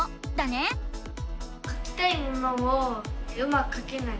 かきたいものをうまくかけない。